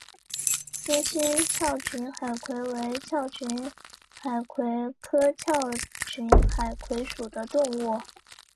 金星鞘群海葵为鞘群海葵科鞘群海葵属的动物。